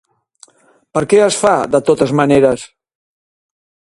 Per què es fa de totes maneres?